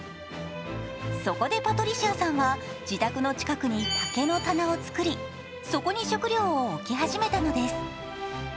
そこでパトリシアさんは自宅の近くに竹の棚をつくり、そこに食料を置き始めたのです。